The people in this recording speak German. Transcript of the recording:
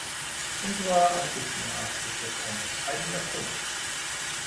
Unserer Ansicht nach ist das ein entscheidender Punkt.